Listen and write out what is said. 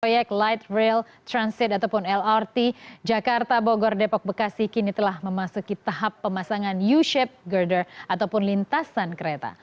proyek light rail transit ataupun lrt jakarta bogor depok bekasi kini telah memasuki tahap pemasangan u shape girder ataupun lintasan kereta